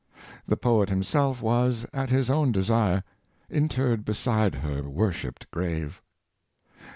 The poet himself was, at his own desire, interred beside her worshipped grave.